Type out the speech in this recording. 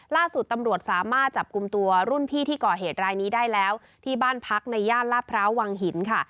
ล่าสุดตำรวจสามารถจับกลุ่มตัวรุ่นพี่ที่ก่อเหตุรายนี้ได้แล้วที่บ้านพักในย่านลาดพร้าววังหินค่ะ